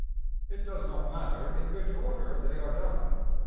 It does not matter in which order they are done.